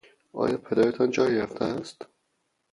آیا پدرتان جایی رفته است؟